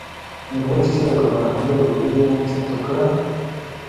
میرويس چیغه کړه محموده ډوډۍ مو چمتو کړه؟